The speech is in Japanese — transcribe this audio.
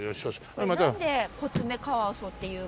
なんでコツメカワウソっていうか。